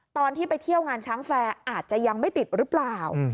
ตอนที่ไปเที่ยวงานช้างแฟร์อาจจะยังไม่ติดหรือเปล่า